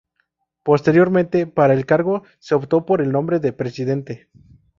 Posteriormente, para el cargo se optó por el nombre de "Presidente".